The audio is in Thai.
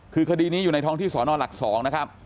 คือคดีนี้อยู่ในท้องที่สอนอนหลัก๒นะครับ